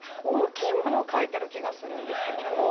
大きいものを描いてる気がするんですよね。